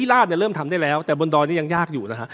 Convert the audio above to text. นั่นแหล่กเริ่มทำได้แล้วแต่บนดอยฯยังยากอย่างนั้น